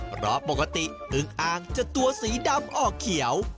เพราะปกติอึงอ่างจะตัวสีดำออกเขียว